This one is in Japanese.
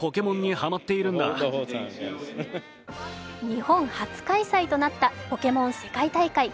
日本初開催となったポケモン世界大会。